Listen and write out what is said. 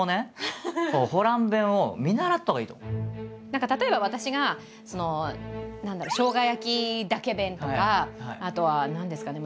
何か例えば私がそのショウガ焼きだけ弁とかあとは何ですかね